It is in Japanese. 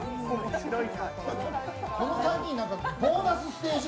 この３人、ボーナスステージ。